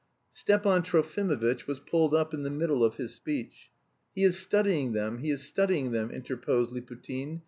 Stepan Trofimovitch was pulled up in the middle of his speech. "He is studying them, he is studying them," interposed Liputin.